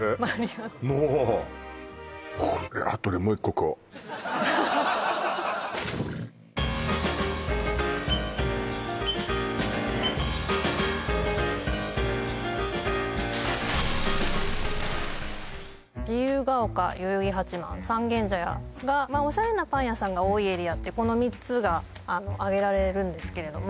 もうこれ自由が丘代々木八幡三軒茶屋がオシャレなパン屋さんが多いエリアってこの３つが挙げられるんですけれども